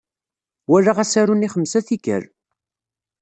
Walaɣ asaru-nni xemsa n tikkal.